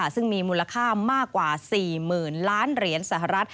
ซึ่งมีมูลค่ามากกว่า๔๐๐๐ล้านเหรียญสหรัฐ